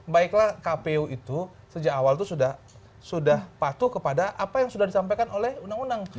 baiklah kpu itu sejak awal itu sudah patuh kepada apa yang sudah disampaikan oleh undang undang